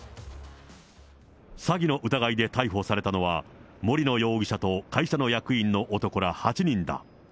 詐欺の疑いで逮捕されたのは、森野容疑者と会社の役員の男ら８人だ。